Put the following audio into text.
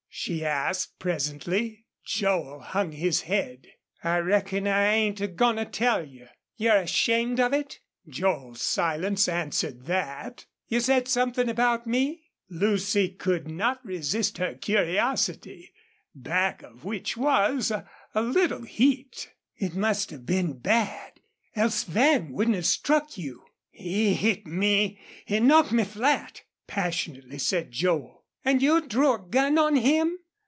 she asked, presently. Joel hung his head. "I reckon I ain't a goin' to tell you." "You're ashamed of it?" Joel's silence answered that. "You said something about me?" Lucy could not resist her curiosity, back of which was a little heat. "It must have been bad else Van wouldn't have struck you." "He hit me he knocked me flat," passionately said Joel. "And you drew a gun on him?"